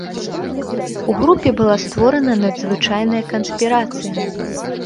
У групе была створана надзвычайная канспірацыя.